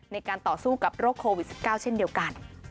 ในการต่อสู้กับโรคโควิด๑๙เช่นเดียวกัน